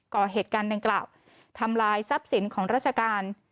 ก่อเหตุการณ์ดังกล่าวทำลายทรัพย์สินของราชการ